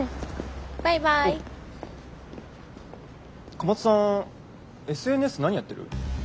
小松さんＳＮＳ何やってる？